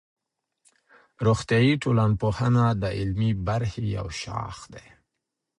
روغتیایی ټولنپوهنه د عملي برخې یو شاخ دی.